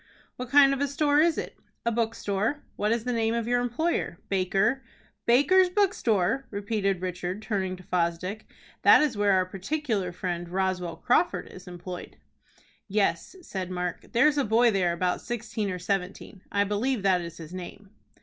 "What kind of a store is it?" "A bookstore." "What is the name of your employer?" "Baker." "Baker's bookstore!" repeated Richard, turning to Fosdick. "That is where our particular friend, Roswell Crawford, is employed." "Yes," said Mark; "there's a boy there about sixteen or seventeen. I believe that is his name."